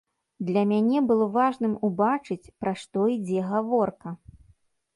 Для мяне было важным убачыць, пра што ідзе гаворка.